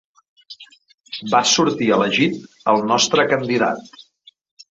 Va sortir elegit el nostre candidat.